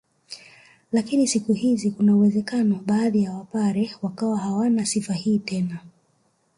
Lakini siku hizi kuna uwezekano baadhi ya wapare wakawa hawana sifa hii tena